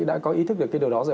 đã có ý thức được cái điều đó rồi